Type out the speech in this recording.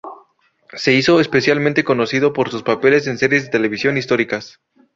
Se hizo especialmente conocido por sus papeles en series televisivas históricas.